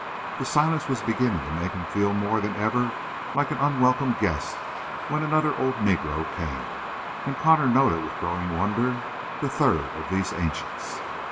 The silence was beginning to make him feel more than ever like an unwelcome guest when another old Negro came, and Connor noted with growing wonder the third of these ancients.